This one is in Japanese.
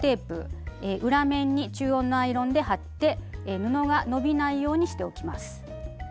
裏面に中温のアイロンで貼って布が伸びないようにしておきます。